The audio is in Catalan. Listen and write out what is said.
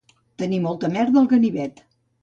Tenir molta merda al ganivet